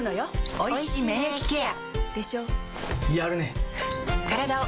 おいしい免疫ケア